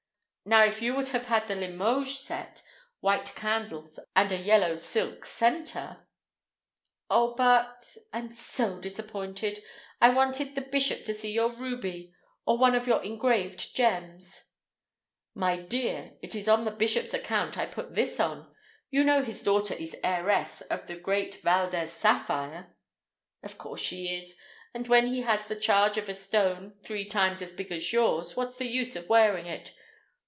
Now if you would have had the Limoges set, white candles, and a yellow silk center—" "Oh, but—I'm so disappointed—I wanted the bishop to see your ruby—or one of your engraved gems—" "My dear, it is on the bishop's account I put this on. You know his daughter is heiress of the great Valdez sapphire—" "Of course she is, and when he has the charge of a stone three times as big as yours, what's the use of wearing it?